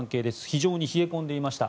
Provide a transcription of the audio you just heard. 非常に冷え込んでいました。